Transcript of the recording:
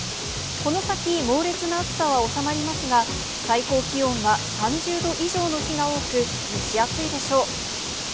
この先、猛烈な暑さは収まりますが、最高気温は３０度以上の日が多く、蒸し暑いでしょう。